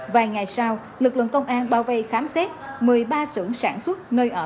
vài ngày sau lực lượng công an bao vây khám xét một mươi ba xưởng sản xuất nơi ở